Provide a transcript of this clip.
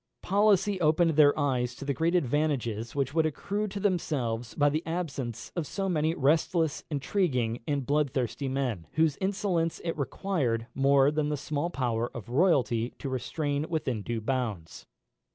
Policy opened their eyes to the great advantages which would accrue to themselves by the absence of so many restless, intriguing, and bloodthirsty men, whose insolence it required more than the small power of royalty to restrain within due bounds.